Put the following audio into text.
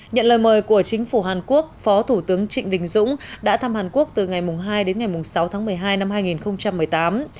nhận lời mời của chính phủ hàn quốc phó thủ tướng trịnh đình dũng đã thăm hàn quốc từ ngày hai đến ngày sáu tháng một mươi hai năm hai nghìn một mươi tám